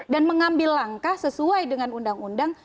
dan mengambil langkah sesuai dengan undang undang